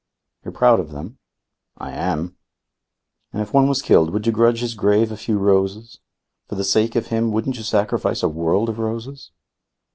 "You're proud of them?" "I am." "And if one was killed, would you grudge his grave a few roses? For the sake of him wouldn't you sacrifice a world of roses?"